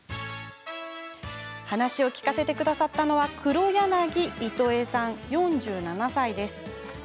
話を聞かせてくれたのは畔柳糸江さん４７歳です。